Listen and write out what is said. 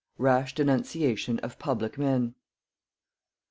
RASH DENUNCIATION OF PUBLIC MEN.